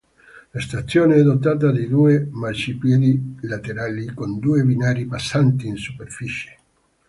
La stazione è dotata di due marciapiedi laterali, con due binari passanti in superficie.